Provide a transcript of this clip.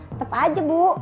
tetep aja bu